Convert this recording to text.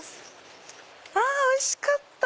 あおいしかった！